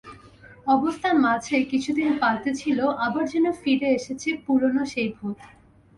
অবস্থা মাঝে কিছুদিন পাল্টেছিল, আবার যেন ফিরে এসেছে পুরোনো সেই ভূত।